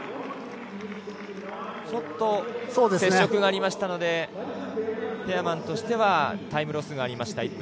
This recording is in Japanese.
ちょっと接触がありましたのでペアマンとしてはタイムロスがありました。